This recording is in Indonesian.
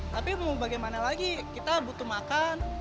tapi mau bagaimana lagi kita butuh makan